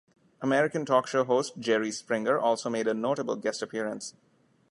American talk show host Jerry Springer also made a notable guest appearance.